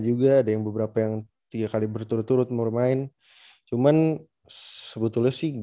juga ada yang beberapa yang tiga kali berturut turut bermain cuman sebetulnya sih